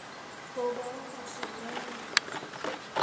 โกลบอล คอนซูเมอร์